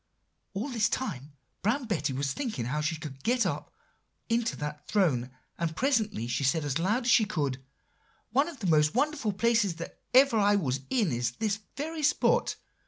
"All this time Brown Betty was thinking how she could get up into that throne; and presently she said as loud as she could, 'One of the most wonderful places that ever I was in is this very spot.